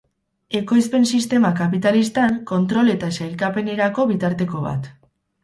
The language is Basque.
Ekoizpen sistema kapitalistan, kontrol eta sailkapenerako bitarteko bat.